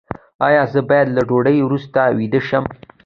ایا زه باید له ډوډۍ وروسته ویده شم؟